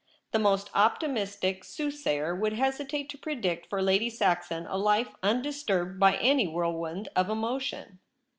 The most optimistic soothsayer would hesitate to predict for Lady Saxon a life undisturbed by any whirlwind of emotion.